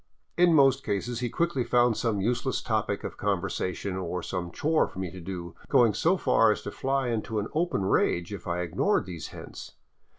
In most cases he quickly found some useless topic of conversation, or some chore for me to do, going so far as to fly into an open rage if I ignored these hints.